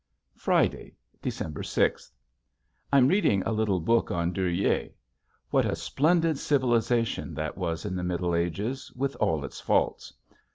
Friday, December sixth. I'm reading a little book on Dürer. What a splendid civilization that was in the Middle Ages, with all its faults.